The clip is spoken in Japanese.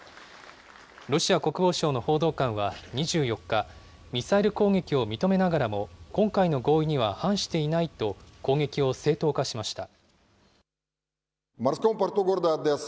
ロシア国防省の報道官は２４日、ミサイル攻撃を認めながらも今回の合意には反していないと、攻撃を正当化しました。